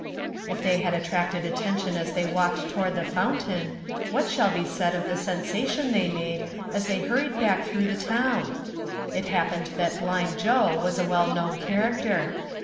If hey had attracted attention as they walked toward the fountain, what shall be said of the sensation they made as they hurried back through the town ? It happened that blind Joe was a well known character.